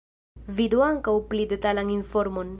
Vidu ankaŭ pli detalan informon.